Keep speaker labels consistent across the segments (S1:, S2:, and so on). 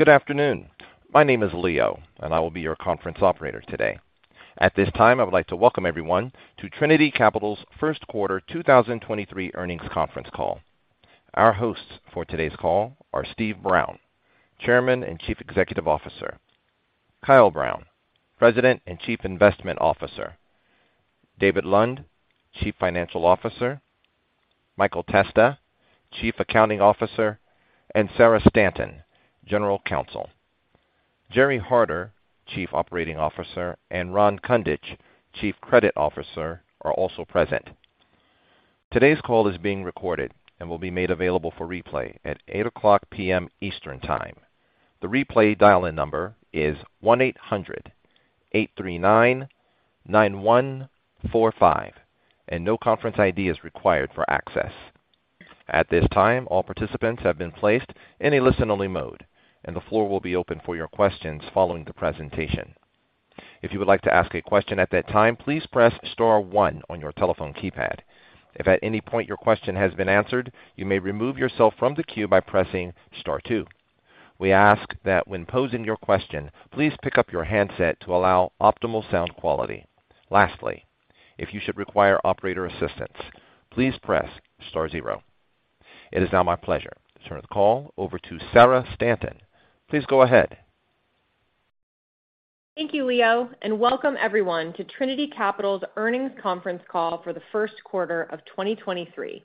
S1: Good afternoon. My name is Leo, and I will be your conference operator today. At this time, I would like to welcome everyone to Trinity Capital's first quarter 2023 earnings conference call. Our hosts for today's call are Steve Brown, Chairman and Chief Executive Officer, Kyle Brown, President and Chief Investment Officer, David Lund, Chief Financial Officer, Michael Testa, Chief Accounting Officer, and Sarah Stanton, General Counsel. Gerry Harder, Chief Operating Officer, and Ron Kundich, Chief Credit Officer, are also present. Today's call is being recorded and will be made available for replay at 8:00 P.M. Eastern Time. The replay dial-in number is 1-800-839-9145, and no conference ID is required for access. At this time, all participants have been placed in a listen-only mode, and the floor will be open for your questions following the presentation. If you would like to ask a question at that time, please press star one on your telephone keypad. If at any point your question has been answered, you may remove yourself from the queue by pressing star two. We ask that when posing your question, please pick up your handset to allow optimal sound quality. Lastly, if you should require operator assistance, please press star zero. It is now my pleasure to turn the call over to Sarah Stanton. Please go ahead.
S2: Thank you, Leo, and welcome everyone to Trinity Capital's earnings conference call for the first quarter of 2023.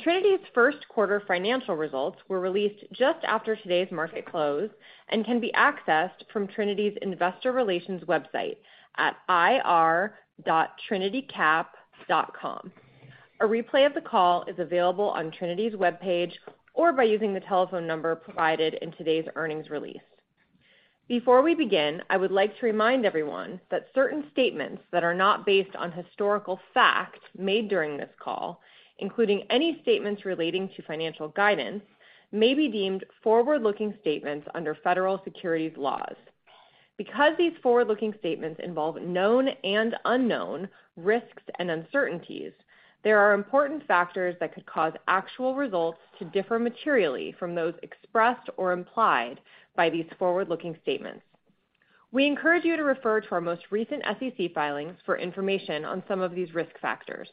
S2: Trinity's first quarter financial results were released just after today's market close and can be accessed from Trinity's investor relations website at ir.trinitycap.com. A replay of the call is available on Trinity's webpage or by using the telephone number provided in today's earnings release. Before we begin, I would like to remind everyone that certain statements that are not based on historical facts made during this call, including any statements relating to financial guidance, may be deemed forward-looking statements under federal securities laws. Because these forward-looking statements involve known and unknown risks and uncertainties, there are important factors that could cause actual results to differ materially from those expressed or implied by these forward-looking statements. We encourage you to refer to our most recent SEC filings for information on some of these risk factors.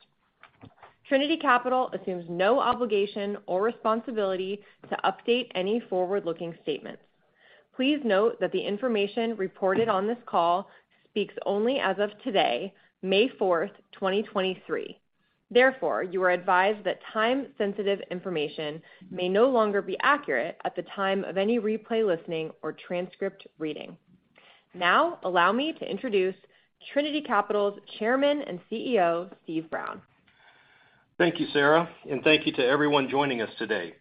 S2: Trinity Capital assumes no obligation or responsibility to update any forward-looking statements. Please note that the information reported on this call speaks only as of today, May 4, 2023. You are advised that time-sensitive information may no longer be accurate at the time of any replay listening or transcript reading. Allow me to introduce Trinity Capital's Chairman and CEO, Steve Brown.
S3: Thank you, Sarah. Thank you to everyone joining us today.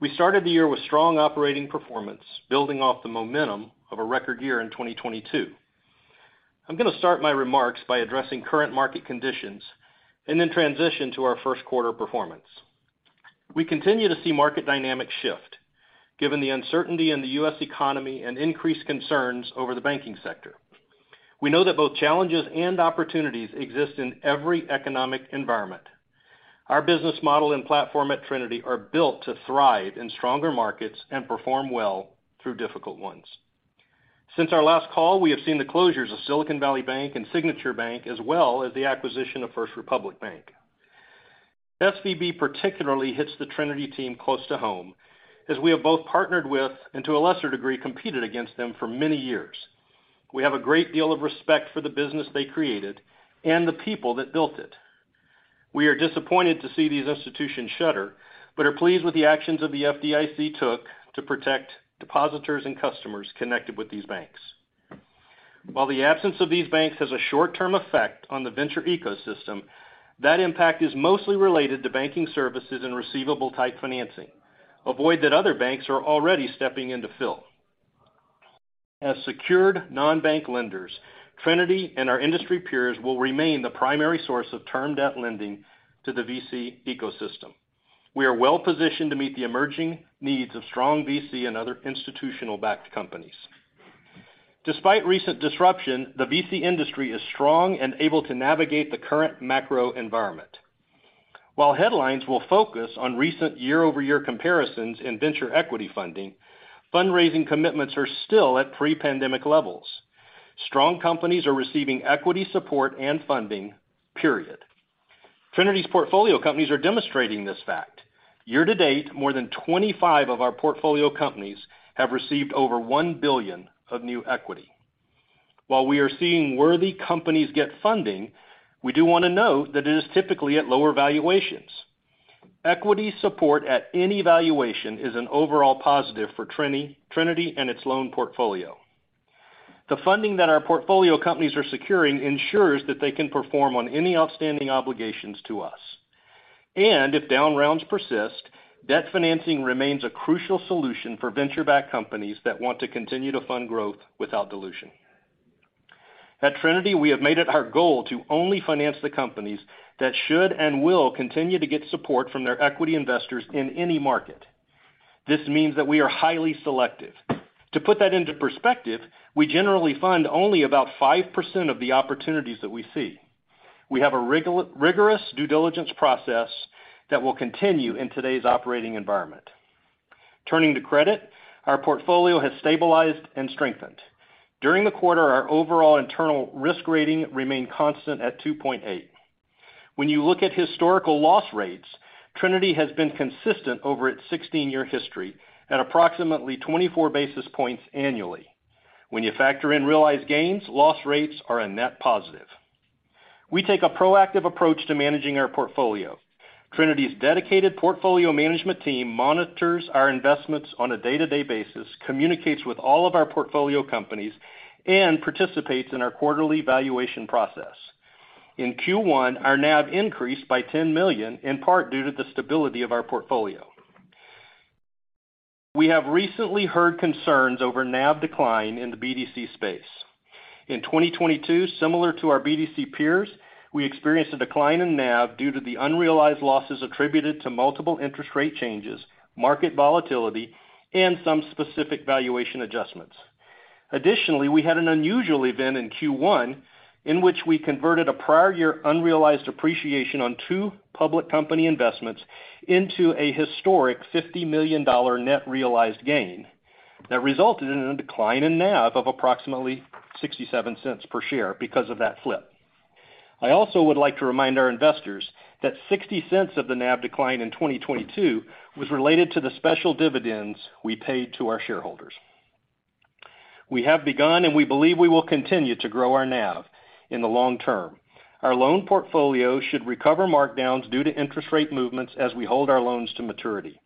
S3: We started the year with strong operating performance, building off the momentum of a record year in 2022. I'm gonna start my remarks by addressing current market conditions and then transition to our first quarter performance. We continue to see market dynamics shift given the uncertainty in the U.S. economy and increased concerns over the banking sector. We know that both challenges and opportunities exist in every economic environment. Our business model and platform at Trinity are built to thrive in stronger markets and perform well through difficult ones. Since our last call, we have seen the closures of Silicon Valley Bank and Signature Bank, as well as the acquisition of First Republic Bank. SVB particularly hits the Trinity team close to home as we have both partnered with and to a lesser degree, competed against them for many years. We have a great deal of respect for the business they created and the people that built it. We are disappointed to see these institutions shutter but are pleased with the actions of the FDIC took to protect depositors and customers connected with these banks. While the absence of these banks has a short-term effect on the venture ecosystem, that impact is mostly related to banking services and receivable-type financing. Avoid that other banks are already stepping in to fill. As secured nonbank lenders, Trinity and our industry peers will remain the primary source of term debt lending to the VC ecosystem. We are well positioned to meet the emerging needs of strong VC and other institutional-backed companies. Despite recent disruption, the VC industry is strong and able to navigate the current macro environment. While headlines will focus on recent year-over-year comparisons in venture equity funding, fundraising commitments are still at pre-pandemic levels. Strong companies are receiving equity support and funding, period. Trinity's portfolio companies are demonstrating this fact. Year to date, more than 25 of our portfolio companies have received over $1 billion of new equity. While we are seeing worthy companies get funding, we do wanna note that it is typically at lower valuations. Equity support at any valuation is an overall positive for Trinity and its loan portfolio. The funding that our portfolio companies are securing ensures that they can perform on any outstanding obligations to us. If down rounds persist, debt financing remains a crucial solution for venture-backed companies that want to continue to fund growth without dilution. At Trinity, we have made it our goal to only finance the companies that should and will continue to get support from their equity investors in any market. This means that we are highly selective. To put that into perspective, we generally fund only about 5% of the opportunities that we see. We have a rigorous due diligence process that will continue in today's operating environment. Turning to credit, our portfolio has stabilized and strengthened. During the quarter, our overall internal risk rating remained constant at 2.8. When you look at historical loss rates, Trinity has been consistent over its 16-year history at approximately 24 basis points annually. When you factor in realized gains, loss rates are a net positive. We take a proactive approach to managing our portfolio. Trinity's dedicated portfolio management team monitors our investments on a day-to-day basis, communicates with all of our portfolio companies, and participates in our quarterly valuation process. In Q1, our NAV increased by $10 million, in part due to the stability of our portfolio. We have recently heard concerns over NAV decline in the BDC space. In 2022, similar to our BDC peers, we experienced a decline in NAV due to the unrealized losses attributed to multiple interest rate changes, market volatility, and some specific valuation adjustments. Additionally, we had an unusual event in Q1 in which we converted a prior year unrealized appreciation on two public company investments into a historic $50 million net realized gain that resulted in a decline in NAV of approximately $0.67 per share because of that flip. I also would like to remind our investors that $0.60 of the NAV decline in 2022 was related to the special dividends we paid to our shareholders. We have begun, and we believe we will continue to grow our NAV in the long term. Our loan portfolio should recover markdowns due to interest rate movements as we hold our loans to maturity.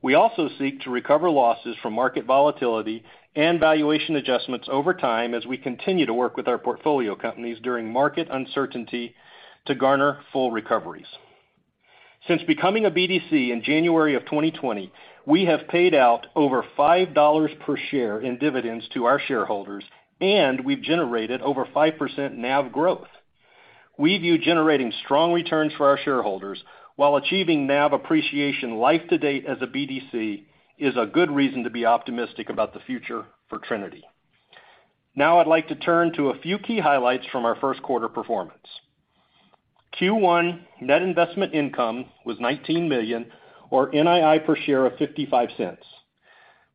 S3: We also seek to recover losses from market volatility and valuation adjustments over time as we continue to work with our portfolio companies during market uncertainty to garner full recoveries. Since becoming a BDC in January of 2020, we have paid out over $5 per share in dividends to our shareholders, and we've generated over 5% NAV growth. We view generating strong returns for our shareholders while achieving NAV appreciation life to date as a BDC is a good reason to be optimistic about the future for Trinity. Now, I'd like to turn to a few key highlights from our first quarter performance. Q1 net investment income was $19 million or NII per share of $0.55,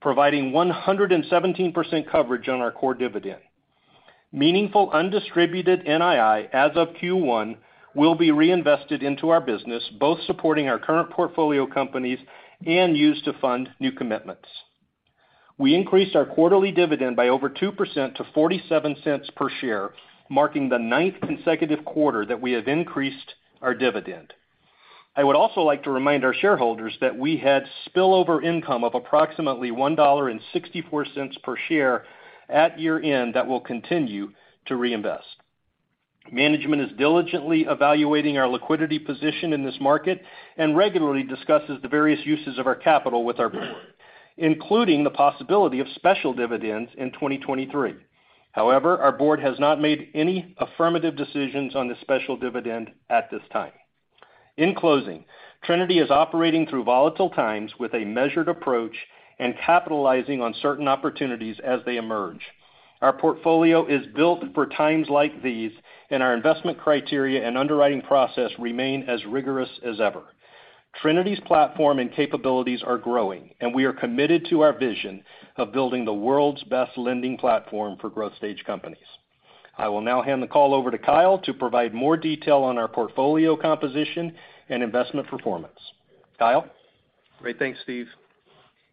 S3: providing 117% coverage on our core dividend. Meaningful undistributed NII as of Q1 will be reinvested into our business, both supporting our current portfolio companies and used to fund new commitments. We increased our quarterly dividend by over 2% to $0.47 per share, marking the ninth consecutive quarter that we have increased our dividend. I would also like to remind our shareholders that we had spillover income of approximately $1.64 per share at year-end that we'll continue to reinvest. Management is diligently evaluating our liquidity position in this market and regularly discusses the various uses of our capital with our board, including the possibility of special dividends in 2023. However, our board has not made any affirmative decisions on the special dividend at this time. In closing, Trinity is operating through volatile times with a measured approach and capitalizing on certain opportunities as they emerge. Our portfolio is built for times like these, and our investment criteria and underwriting process remain as rigorous as ever. Trinity's platform and capabilities are growing, and we are committed to our vision of building the world's best lending platform for growth stage companies. I will now hand the call over to Kyle to provide more detail on our portfolio composition and investment performance. Kyle?
S4: Great. Thanks, Steve.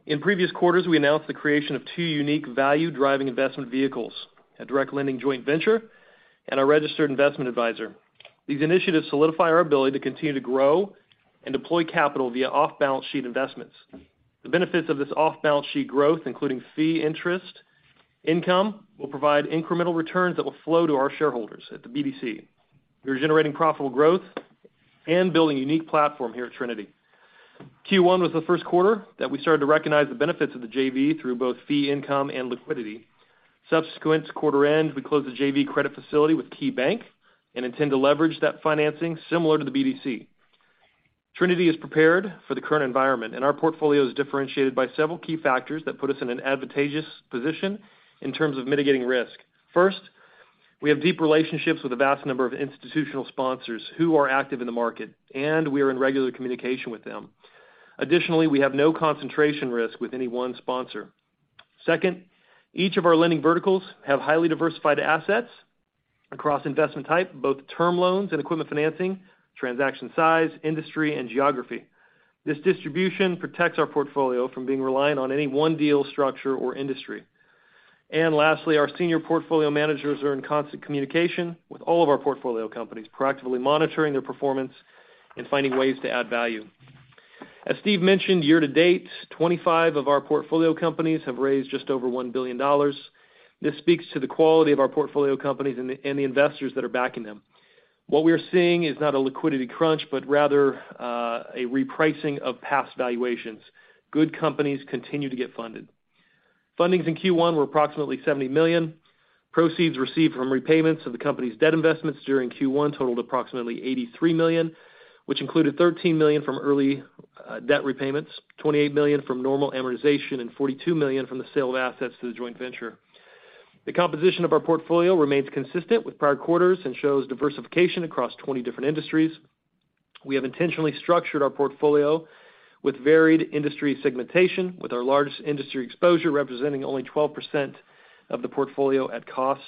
S4: In previous quarters, we announced the creation of 2 unique value-driving investment vehicles, a direct lending joint venture and a registered investment advisor. These initiatives solidify our ability to continue to grow and deploy capital via off-balance sheet investments. The benefits of this off-balance sheet growth, including fee interest income, will provide incremental returns that will flow to our shareholders at the BDC. We're generating profitable growth and building a unique platform here at Trinity. Q1 was the first quarter that we started to recognize the benefits of the JV through both fee income and liquidity. Subsequent to quarter end, we closed the JV credit facility with KeyBank and intend to leverage that financing similar to the BDC. Trinity is prepared for the current environment. Our portfolio is differentiated by several key factors that put us in an advantageous position in terms of mitigating risk. First, we have deep relationships with a vast number of institutional sponsors who are active in the market, and we are in regular communication with them. Additionally, we have no concentration risk with any one sponsor. Second, each of our lending verticals have highly diversified assets across investment type, both term loans and equipment financing, transaction size, industry, and geography. This distribution protects our portfolio from being reliant on any one deal structure or industry. Lastly, our senior portfolio managers are in constant communication with all of our portfolio companies, proactively monitoring their performance and finding ways to add value. As Steve mentioned, year-to-date, 25 of our portfolio companies have raised just over $1 billion. This speaks to the quality of our portfolio companies and the investors that are backing them. What we're seeing is not a liquidity crunch, but rather, a repricing of past valuations. Good companies continue to get funded. Fundings in Q1 were approximately $70 million. Proceeds received from repayments of the company's debt investments during Q1 totaled approximately $83 million, which included $13 million from early debt repayments, $28 million from normal amortization, and $42 million from the sale of assets to the joint venture. The composition of our portfolio remains consistent with prior quarters and shows diversification across 20 different industries. We have intentionally structured our portfolio with varied industry segmentation, with our largest industry exposure representing only 12% of the portfolio at cost.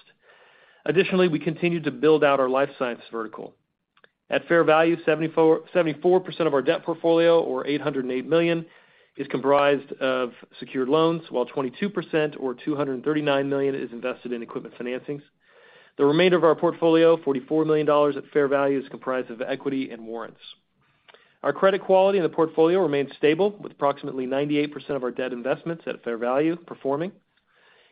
S4: Additionally, we continue to build out our life science vertical. At fair value, 74% of our debt portfolio or $808 million is comprised of secured loans, while 22% or $239 million is invested in equipment financings. The remainder of our portfolio, $44 million at fair value, is comprised of equity and warrants. Our credit quality in the portfolio remains stable, with approximately 98% of our debt investments at fair value performing.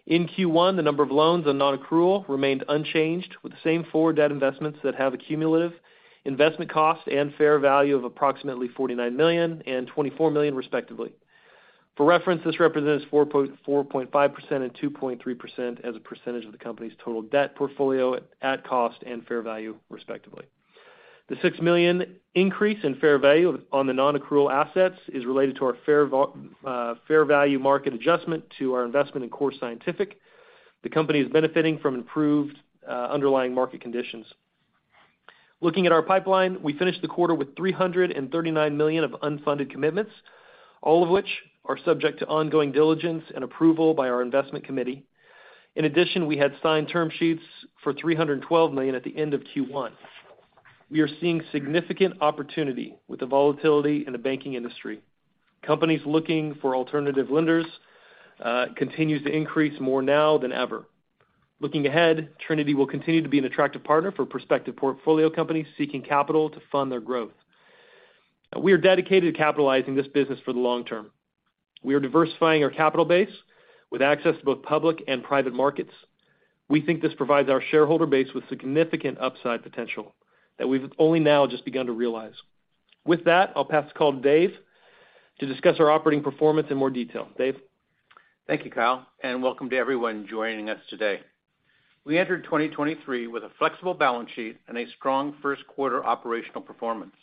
S4: In Q1, the number of loans on nonaccrual remained unchanged, with the same four debt investments that have a cumulative investment cost and fair value of approximately $49 million and $24 million, respectively. For reference, this represents 4.5% and 2.3% as a percentage of the company's total debt portfolio at cost and fair value, respectively. The $6 million increase in fair value on the nonaccrual assets is related to our fair value market adjustment to our investment in Core Scientific. The company is benefiting from improved underlying market conditions. Looking at our pipeline, we finished the quarter with $339 million of unfunded commitments, all of which are subject to ongoing diligence and approval by our investment committee. In addition, we had signed term sheets for $312 million at the end of Q1. We are seeing significant opportunity with the volatility in the banking industry. Companies looking for alternative lenders continues to increase more now than ever. Looking ahead, Trinity will continue to be an attractive partner for prospective portfolio companies seeking capital to fund their growth. We are dedicated to capitalizing this business for the long term. We are diversifying our capital base with access to both public and private markets. We think this provides our shareholder base with significant upside potential that we've only now just begun to realize. With that, I'll pass the call to Dave to discuss our operating performance in more detail. Dave?
S5: Thank you, Kyle, and welcome to everyone joining us today. We entered 2023 with a flexible balance sheet and a strong first quarter operational performance.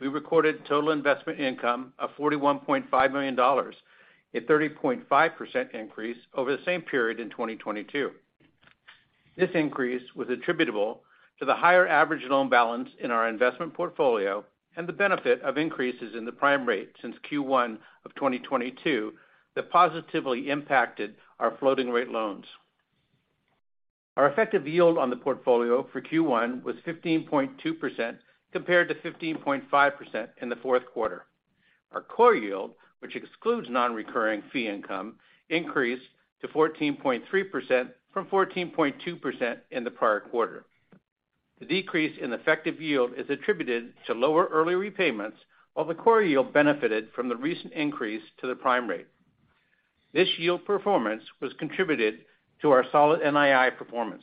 S5: We recorded total investment income of $41.5 million, a 30.5% increase over the same period in 2022. This increase was attributable to the higher average loan balance in our investment portfolio and the benefit of increases in the prime rate since Q1 of 2022 that positively impacted our floating rate loans. Our effective yield on the portfolio for Q1 was 15.2% compared to 15.5% in the fourth quarter. Our core yield, which excludes non-recurring fee income, increased to 14.3% from 14.2% in the prior quarter. The decrease in effective yield is attributed to lower early repayments, while the core yield benefited from the recent increase to the prime rate. This yield performance was contributed to our solid NII performance.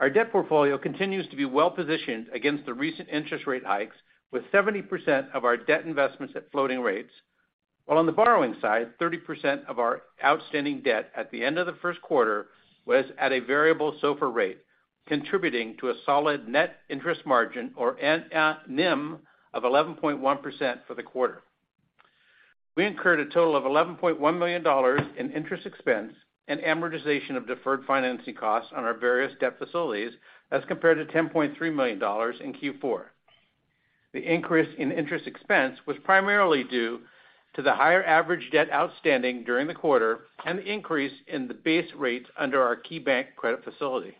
S5: Our debt portfolio continues to be well-positioned against the recent interest rate hikes, with 70% of our debt investments at floating rates, while on the borrowing side, 30% of our outstanding debt at the end of the first quarter was at a variable SOFR rate, contributing to a solid net interest margin or NIM of 11.1% for the quarter. We incurred a total of $11.1 million in interest expense and amortization of deferred financing costs on our various debt facilities as compared to $10.3 million in Q4. The increase in interest expense was primarily due to the higher average debt outstanding during the quarter and the increase in the base rates under our KeyBank credit facility.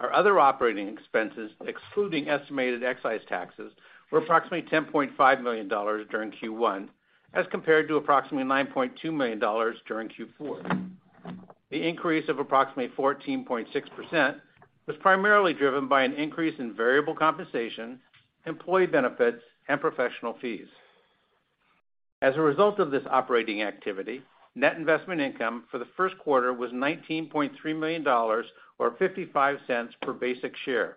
S5: Our other operating expenses, excluding estimated excise taxes, were approximately $10.5 million during Q1 as compared to approximately $9.2 million during Q4. The increase of approximately 14.6% was primarily driven by an increase in variable compensation, employee benefits, and professional fees. As a result of this operating activity, net investment income for the first quarter was $19.3 million or $0.55 per basic share,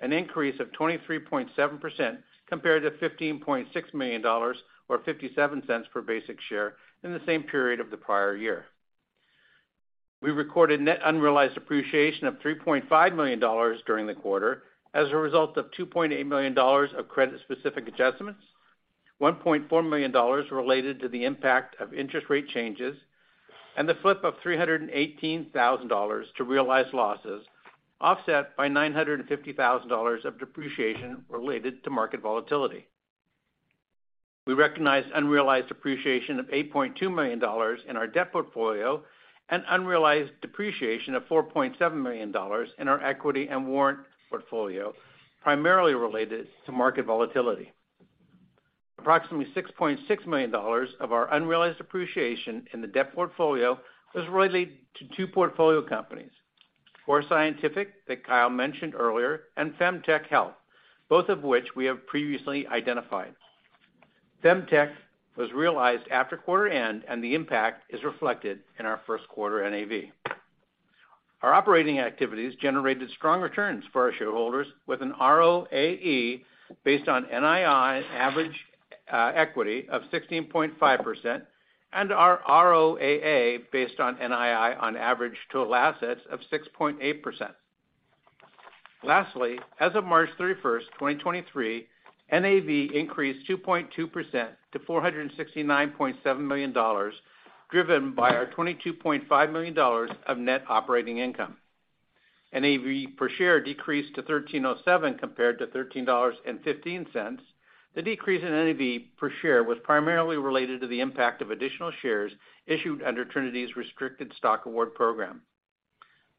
S5: an increase of 23.7% compared to $15.6 million or $0.57 per basic share in the same period of the prior year. We recorded net unrealized appreciation of $3.5 million during the quarter as a result of $2.8 million of credit-specific adjustments, $1.4 million related to the impact of interest rate changes, and the flip of $318,000 to realize losses, offset by $950,000 of depreciation related to market volatility. We recognized unrealized appreciation of $8.2 million in our debt portfolio and unrealized depreciation of $4.7 million in our equity and warrant portfolio, primarily related to market volatility. Approximately $6.6 million of our unrealized appreciation in the debt portfolio was related to two portfolio companies, Core Scientific that Kyle mentioned earlier, and FemTec Health, both of which we have previously identified. FemTec was realized after quarter end, and the impact is reflected in our first quarter NAV. Our operating activities generated strong returns for our shareholders with an ROAE based on NII average equity of 16.5% and our ROAA based on NII on average total assets of 6.8%. Lastly, as of March 31, 2023, NAV increased 2.2% to $469.7 million, driven by our $22.5 million of net operating income. NAV per share decreased to $13.07 compared to $13.15. The decrease in NAV per share was primarily related to the impact of additional shares issued under Trinity's restricted stock award program.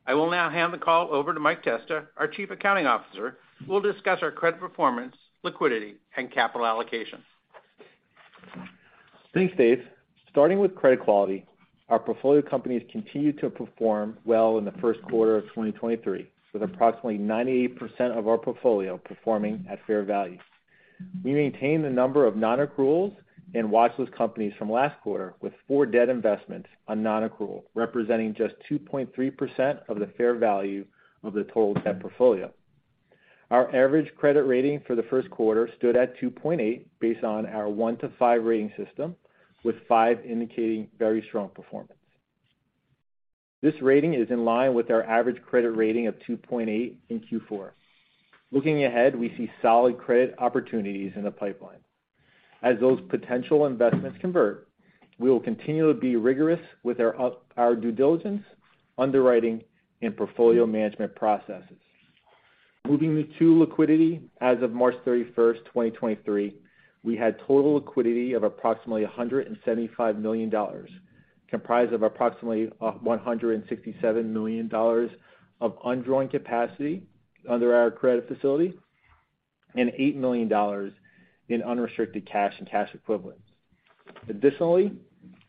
S5: I will now hand the call over to Michael Testa, our Chief Accounting Officer, who will discuss our credit performance, liquidity, and capital allocation.
S6: Thanks, Dave. Starting with credit quality, our portfolio companies continued to perform well in the first quarter of 2023, with approximately 98% of our portfolio performing at fair value. We maintained the number of non-accruals and watchlist companies from last quarter with 4 debt investments on non-accrual, representing just 2.3% of the fair value of the total debt portfolio. Our average credit rating for the first quarter stood at 2.8 based on our 1-to-5 rating system, with 5 indicating very strong performance. This rating is in line with our average credit rating of 2.8 in Q4. Looking ahead, we see solid credit opportunities in the pipeline. As those potential investments convert, we will continue to be rigorous with our due diligence, underwriting, and portfolio management processes. Moving to liquidity, as of March 31, 2023, we had total liquidity of approximately $175 million, comprised of approximately $167 million of undrawn capacity under our credit facility and $8 million in unrestricted cash and cash equivalents.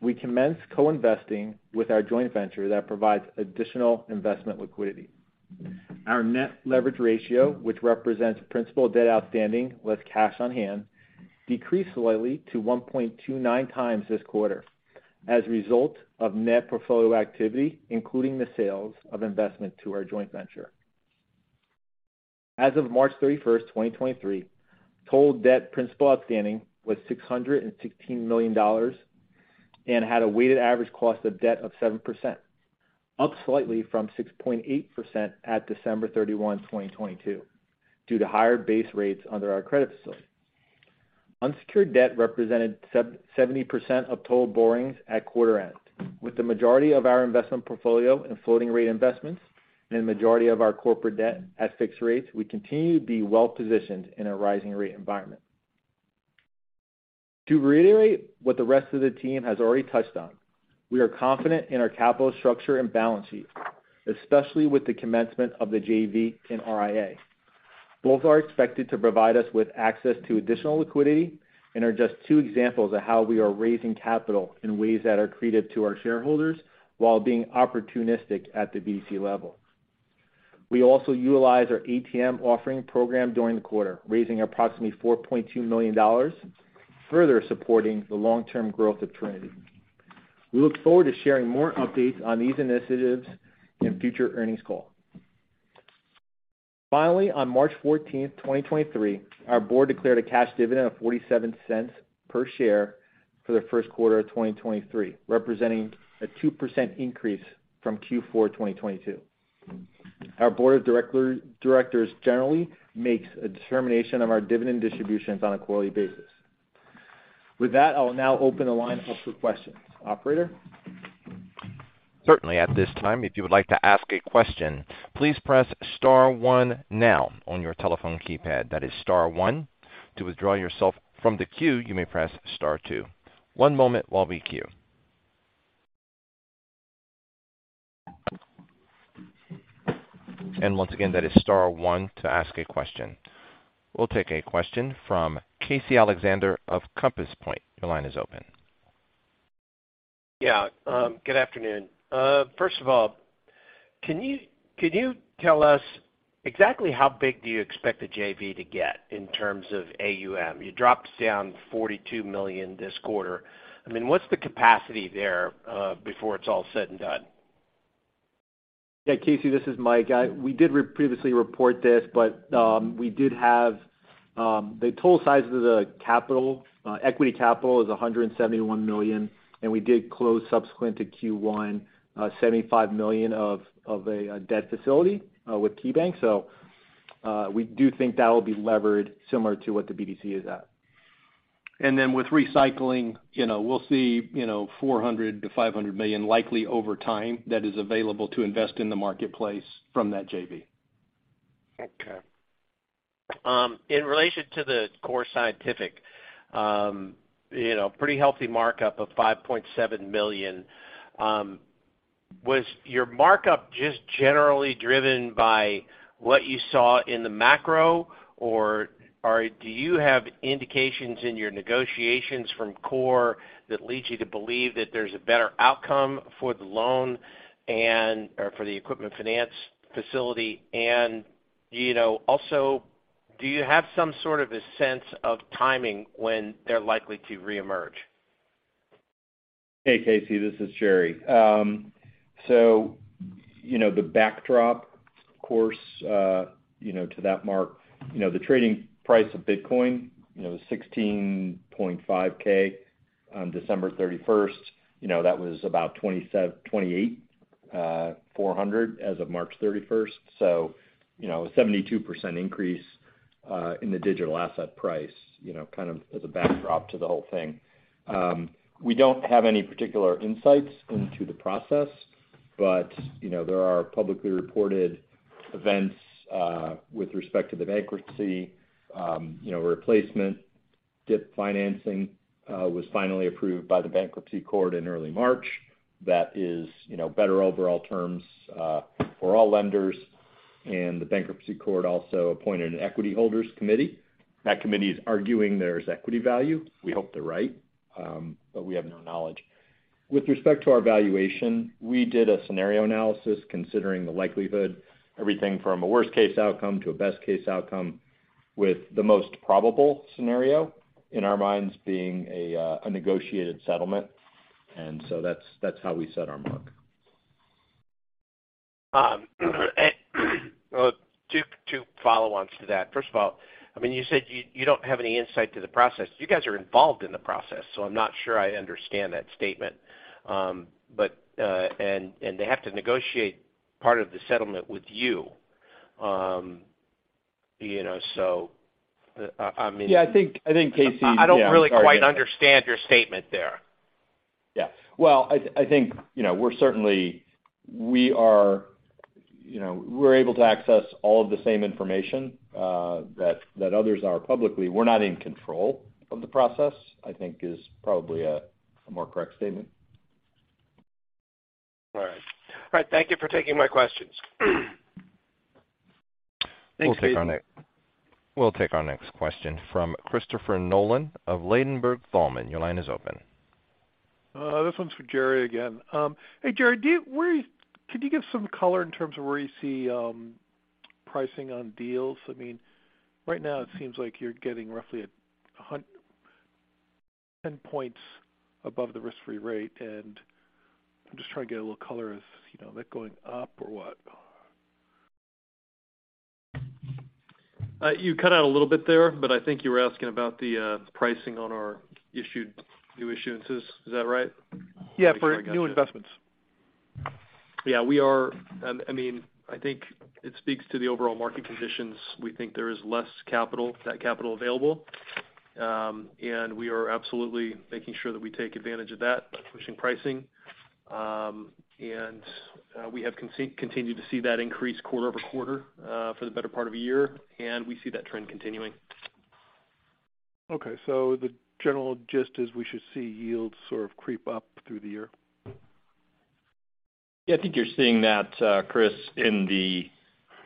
S6: We commenced co-investing with our joint venture that provides additional investment liquidity. Our net leverage ratio, which represents principal debt outstanding with cash on hand, decreased slightly to 1.29 times this quarter as a result of net portfolio activity, including the sales of investment to our joint venture. As of March 31st, 2023, total debt principal outstanding was $616 million and had a weighted average cost of debt of 7%, up slightly from 6.8% at December 31, 2022, due to higher base rates under our credit facility. Unsecured debt represented 70% of total borrowings at quarter end. With the majority of our investment portfolio in floating rate investments and the majority of our corporate debt at fixed rates, we continue to be well-positioned in a rising rate environment. To reiterate what the rest of the team has already touched on, we are confident in our capital structure and balance sheet, especially with the commencement of the JV and RIA. Both are expected to provide us with access to additional liquidity and are just two examples of how we are raising capital in ways that are accretive to our shareholders while being opportunistic at the BDC level. We also utilized our ATM offering program during the quarter, raising approximately $4.2 million, further supporting the long-term growth of Trinity. We look forward to sharing more updates on these initiatives in future earnings call. On March 14, 2023, our board declared a cash dividend of $0.47 per share for the first quarter of 2023, representing a 2% increase from Q4 2022. Our board of directors generally makes a determination of our dividend distributions on a quarterly basis. With that, I will now open the line up for questions. Operator?
S1: Certainly. At this time, if you would like to ask a question, please press star one now on your telephone keypad. That is star one. To withdraw yourself from the queue, you may press star two. One moment while we queue. Once again, that is star one to ask a question. We'll take a question from Casey Alexander of Compass Point. Your line is open.
S7: Good afternoon. First of all, can you tell us exactly how big do you expect the JV to get in terms of AUM? You dropped down $42 million this quarter. I mean, what's the capacity there before it's all said and done?
S6: Yeah, Casey, this is Mike. We did previously report this, but we did have the total size of the capital, equity capital is $171 million, and we did close subsequent to Q1, $75 million of a debt facility with KeyBank. We do think that will be levered similar to what the BDC is at. With recycling, you know, we'll see, you know, $400 million-$500 million likely over time that is available to invest in the marketplace from that JV.
S7: Okay. In relation to the Core Scientific, you know, pretty healthy markup of $5.7 million. Was your markup just generally driven by what you saw in the macro or do you have indications in your negotiations from Core that leads you to believe that there's a better outcome for the loan or for the equipment finance facility? You know, also, do you have some sort of a sense of timing when they're likely to reemerge?
S8: Hey, Casey, this is Gerry. You know, the backdrop, of course, you know, to that mark, you know, the trading price of Bitcoin, you know, was $16.5K on December 31st. You know, that was about $28,400 as of March 31st. You know, a 72% increase in the digital asset price, you know, kind of as a backdrop to the whole thing. We don't have any particular insights into the process, but, you know, there are publicly reported events with respect to the bankruptcy, you know, replacement DIP financing was finally approved by the bankruptcy court in early March. That is, you know, better overall terms for all lenders. The bankruptcy court also appointed an equity holders committee. That committee is arguing there's equity value. We hope they're right, but we have no knowledge. With respect to our valuation, we did a scenario analysis considering the likelihood, everything from a worst case outcome to a best case outcome, with the most probable scenario in our minds being a negotiated settlement. That's how we set our mark.
S7: Well, two follow-ons to that. First of all, I mean, you said you don't have any insight to the process. You guys are involved in the process. I'm not sure I understand that statement. They have to negotiate part of the settlement with you. You know.
S4: Yeah, I think, Casey...
S7: I don't really quite understand your statement there.
S8: Yeah. Well, I think, we're able to access all of the same information, that others are publicly. We're not in control of the process, I think is probably a more correct statement.
S7: All right. All right, thank you for taking my questions.
S8: Thanks, Casey.
S1: We'll take our next question from Christopher Nolan of Ladenburg Thalmann. Your line is open.
S9: This one's for Gerry again. Hey, Gerry, could you give some color in terms of where you see pricing on deals? I mean, right now it seems like you're getting roughly 10 points above the risk-free rate, and I'm just trying to get a little color if, you know, they're going up or what?
S8: You cut out a little bit there, but I think you were asking about the pricing on our new issuances. Is that right?
S9: Yeah, for new investments.
S8: I mean, I think it speaks to the overall market conditions. We think there is less capital available, and we are absolutely making sure that we take advantage of that by pushing pricing. We have continued to see that increase quarter-over-quarter for the better part of a year, and we see that trend continuing.
S9: Okay. The general gist is we should see yields sort of creep up through the year.
S8: I think you're seeing that, Chris, in the,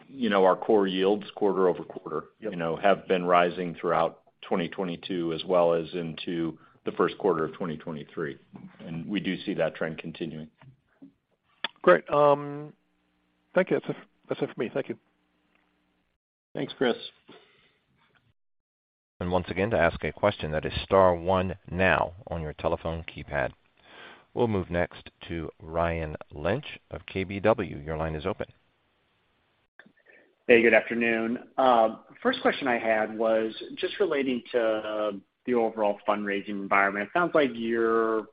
S8: you know, our core yields quarter-over-quarter. Yep... you know, have been rising throughout 2022 as well as into the first quarter of 2023. We do see that trend continuing.
S9: Great. Thank you. That's it. That's it for me. Thank you.
S8: Thanks, Chris.
S1: Once again, to ask a question, that is star one now on your telephone keypad. We'll move next to Ryan Lynch of KBW. Your line is open.
S10: Hey, good afternoon. First question I had was just relating to the overall fundraising environment. It sounds like your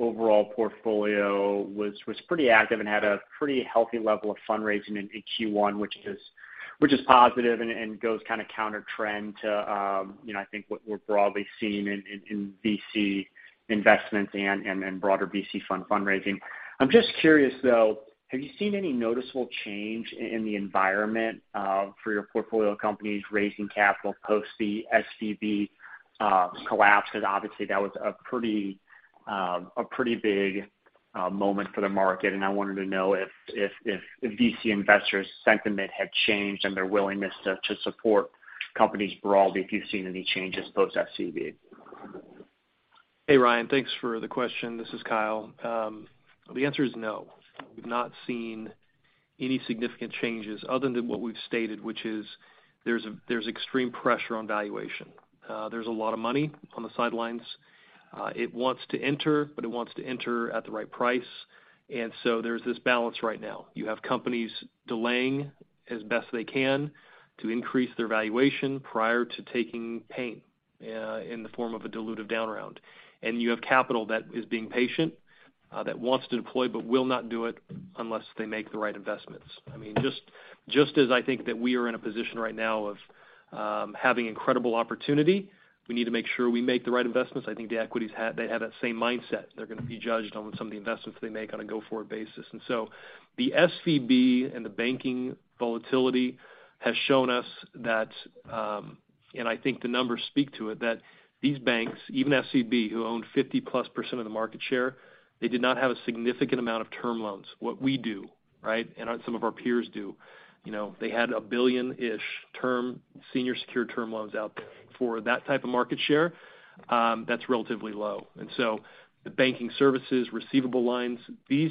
S10: overall portfolio was pretty active and had a pretty healthy level of fundraising in Q1, which is positive and goes kind of counter trend to, you know, I think what we're broadly seeing in VC investments and broader VC fund fundraising. I'm just curious, though, have you seen any noticeable change in the environment for your portfolio companies raising capital post the SVB collapse? Because obviously that was a pretty, a pretty big moment for the market, and I wanted to know if VC investors' sentiment had changed and their willingness to support companies broadly, if you've seen any changes post SVB.
S4: Hey, Ryan. Thanks for the question. This is Kyle. The answer is no. We've not seen any significant changes other than what we've stated, which is there's extreme pressure on valuation. There's a lot of money on the sidelines. It wants to enter, but it wants to enter at the right price. There's this balance right now. You have companies delaying as best they can to increase their valuation prior to taking pain in the form of a dilutive down round. You have capital that is being patient that wants to deploy but will not do it unless they make the right investments. I mean, just as I think that we are in a position right now of having incredible opportunity, we need to make sure we make the right investments. I think the equities have they have that same mindset. They're gonna be judged on some of the investments they make on a go-forward basis. The SVB and the banking volatility has shown us that, and I think the numbers speak to it, that these banks, even SVB, who own 50%+ of the market share, they did not have a significant amount of term loans, what we do, right, and what some of our peers do. You know, they had a $1 billion-ish term, senior secured term loans out there. For that type of market share, that's relatively low. The banking services, receivable lines, these,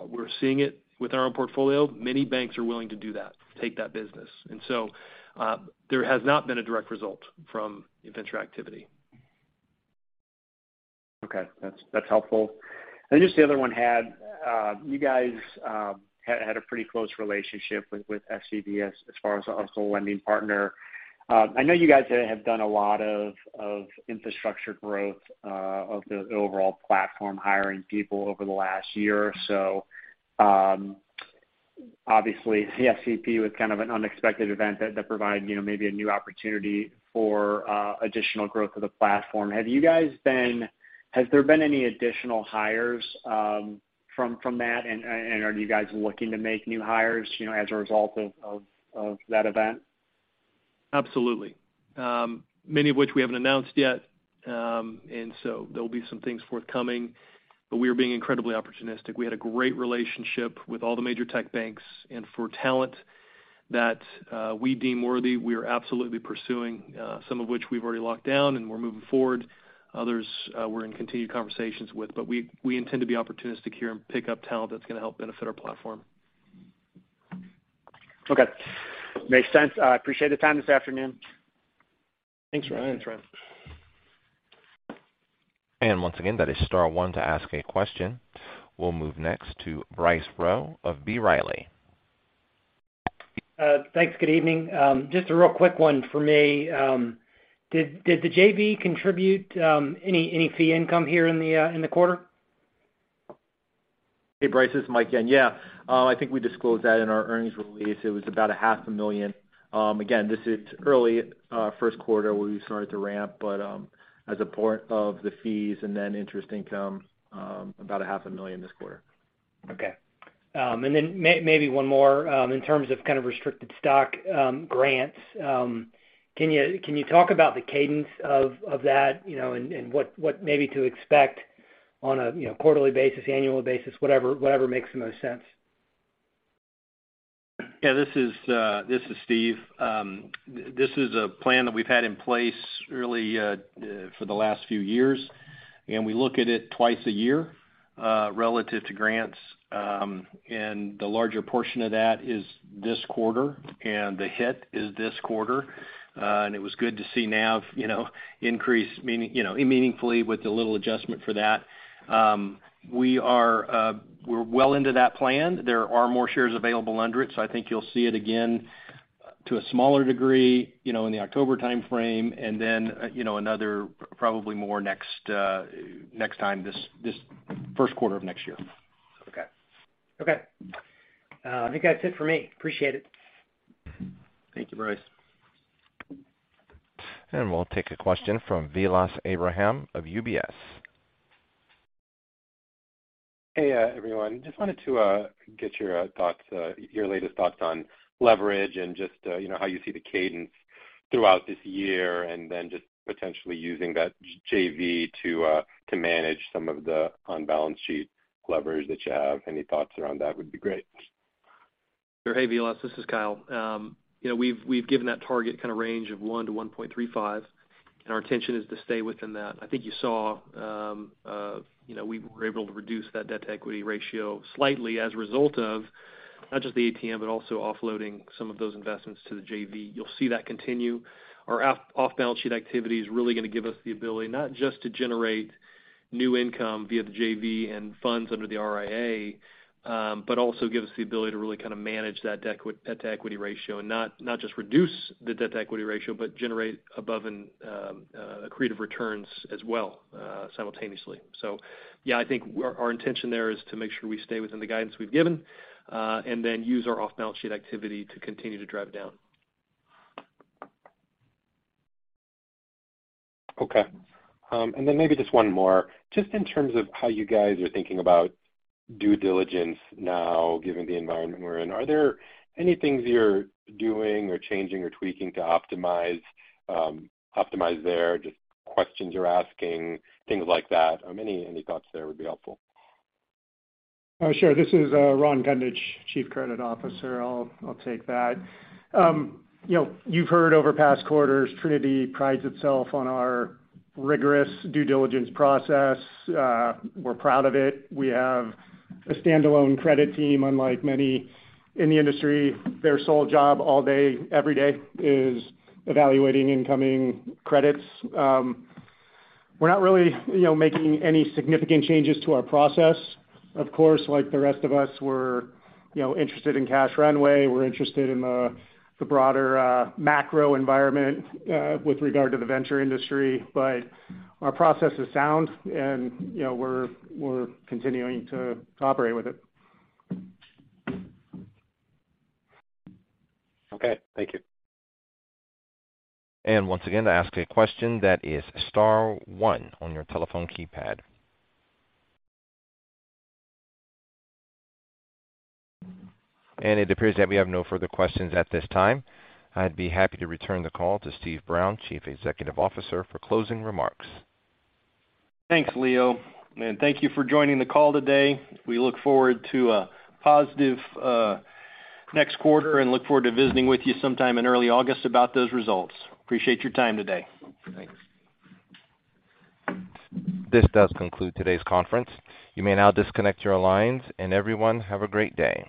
S4: we're seeing it with our own portfolio. Many banks are willing to do that, take that business. There has not been a direct result from venture activity.
S10: Okay. That's helpful. Just the other one had, you guys had a pretty close relationship with FCBS as far as also a lending partner. I know you guys have done a lot of infrastructure growth of the overall platform, hiring people over the last year or so. Obviously, the SVB was kind of an unexpected event that provided, you know, maybe a new opportunity for additional growth of the platform. Have you guys been has there been any additional hires from that and are you guys looking to make new hires, you know, as a result of that event?
S4: Absolutely. Many of which we haven't announced yet. There'll be some things forthcoming. We are being incredibly opportunistic. We had a great relationship with all the major tech banks and for talent that we deem worthy, we are absolutely pursuing, some of which we've already locked down and we're moving forward. Others, we're in continued conversations with. We intend to be opportunistic here and pick up talent that's gonna help benefit our platform.
S10: Okay. Makes sense. I appreciate the time this afternoon.
S4: Thanks, Ryan.
S6: Thanks, Ryan.
S1: Once again, that is star one to ask a question. We'll move next to Bryce Rowe of B. Riley.
S11: Thanks. Good evening. Just a real quick one for me. Did the JV contribute, any fee income here in the quarter?
S6: Hey, Bryce, this is Mike again. I think we disclosed that in our earnings release. It was about a half a million. Again, this is early, first quarter where we started to ramp. As a port of the fees and then interest income, about a half a million this quarter.
S11: Okay. maybe one more, in terms of kind of restricted stock, grants, can you talk about the cadence of that, you know, and what maybe to expect on a, you know, quarterly basis, annual basis, whatever makes the most sense?
S4: Yeah, this is Steve. This is a plan that we've had in place really, for the last few years, and we look at it twice a year, relative to grants. The larger portion of that is this quarter, and the hit is this quarter. It was good to see NAV, you know, increase meaning, you know, meaningfully with a little adjustment for that. We are, we're well into that plan. There are more shares available under it. I think you'll see it again to a smaller degree, you know, in the October timeframe. You know, another probably more next next time this first quarter of next year.
S11: Okay. Okay. I think that's it for me. Appreciate it.
S6: Thank you, Bryce.
S1: We'll take a question from Vilas Abraham of UBS.
S12: Hey, everyone. Just wanted to get your thoughts, your latest thoughts on leverage and just, you know, how you see the cadence throughout this year, and then just potentially using that JV to manage some of the on-balance sheet leverage that you have. Any thoughts around that would be great.
S4: Sure. Hey, Vilas, this is Kyle. You know, we've given that target kind of range of 1-1.35, and our intention is to stay within that. I think you saw, you know, we were able to reduce that debt to equity ratio slightly as a result of not just the ATM, but also offloading some of those investments to the JV. You'll see that continue. Our off-balance sheet activity is really gonna give us the ability, not just to generate new income via the JV and funds under the RIA, but also give us the ability to really kind of manage that debt to equity ratio and not just reduce the debt to equity ratio, but generate above and creative returns as well simultaneously. yeah, I think our intention there is to make sure we stay within the guidance we've given and then use our off-balance sheet activity to continue to drive it down.
S12: Okay. Maybe just one more. Just in terms of how you guys are thinking about due diligence now, given the environment we're in, are there any things you're doing or changing or tweaking to optimize there, just questions you're asking, things like that? Any thoughts there would be helpful?
S13: Sure. This is Ron Kundich, Chief Credit Officer. I'll take that. You know, you've heard over past quarters, Trinity prides itself on our rigorous due diligence process. We're proud of it. We have a standalone credit team, unlike many in the industry. Their sole job all day, every day is evaluating incoming credits. We're not really, you know, making any significant changes to our process. Of course, like the rest of us, we're, you know, interested in cash runway. We're interested in the broader macro environment with regard to the venture industry. Our process is sound and, you know, we're continuing to operate with it.
S12: Okay. Thank you.
S1: Once again, to ask a question, that is star one on your telephone keypad. It appears that we have no further questions at this time. I'd be happy to return the call to Steve Brown, Chief Executive Officer, for closing remarks.
S3: Thanks, Leo, and thank you for joining the call today. We look forward to a positive next quarter and look forward to visiting with you sometime in early August about those results. Appreciate your time today. Thanks.
S1: This does conclude today's conference. You may now disconnect your lines. Everyone, have a great day.